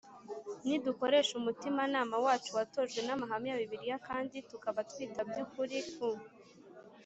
Nidukoresha umutimanama wacu watojwe n amahame ya bibiliya kandi tukaba twita by ukuri ku